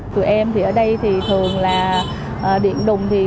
tụi em thì ở đây thì thường là điện đùng thì